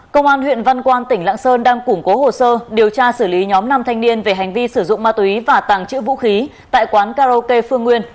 công an huyện văn quan tỉnh lạng sơn đang củng cố hồ sơ điều tra xử lý nhóm năm thanh niên về hành vi sử dụng ma túy và tàng trữ vũ khí tại quán karaoke phương nguyên